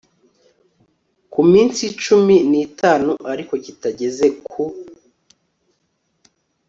ku minsi cumi n itanu ariko kitageze ku